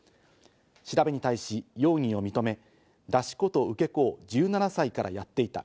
調べに対し容疑を認め、出し子と受け子を１７歳からやっていた。